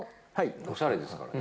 おしゃれですからね。